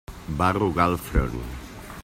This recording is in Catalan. Va arrugar el front.